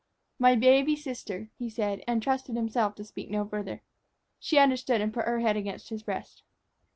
"My baby sister!" he said, and trusted himself to speak no further. She understood, and put her head against his breast.